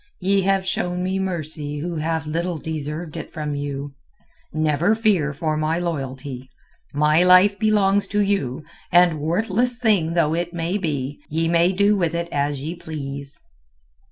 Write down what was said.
"Ye have shown me mercy who have little deserved it from you. Never fear for my loyalty. My life belongs to you, and worthless thing though it may be, ye may do with it as ye please."